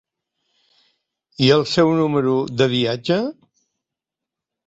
I el seu número de viatge?